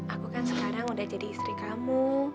aku kan sekarang udah jadi istri kamu